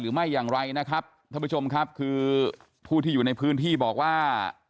หรือไม่อย่างไรนะครับท่านผู้ชมครับคือผู้ที่อยู่ในพื้นที่บอกว่า